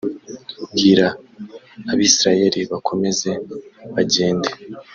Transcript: Bwira abisirayeri bakomeze bajyende